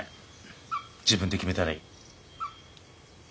自分で決めたらいい。